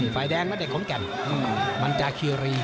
ฝ่ายแดงนะเด็กขอนแก่นมันจาคีรี